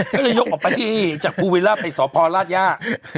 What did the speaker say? ก็เลยยกออกไปที่จากภูวิลล่าไปสพลาดย่า